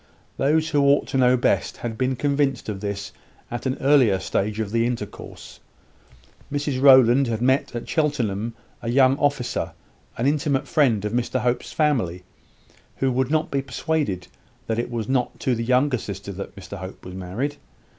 Those who ought to know best had been convinced of this at an earlier stage of the intercourse. Mrs Rowland had met at Cheltenham a young officer, an intimate friend of Mr Hope's family, who would not be persuaded that it was not to the younger sister that Mr Hope was married.